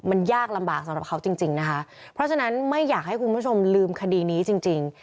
มันยากลำบากสำหรับเขาจริงจริงนะคะเพราะฉะนั้นไม่อยากให้คุณผู้ชมลืมคดีนี้จริงจริง